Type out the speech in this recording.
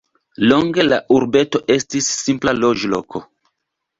Longe la urbeto estis simpla loĝloko.